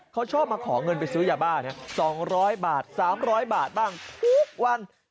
เขาชอบมาขอเงินไปซื้อยาบ้า๒๐๐บาท๓๐๐บาทบ้างทุกวัน